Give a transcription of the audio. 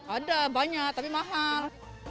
ada banyak tapi mahal